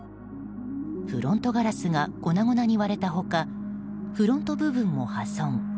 フロントガラスが粉々に割れた他フロント部分も破損。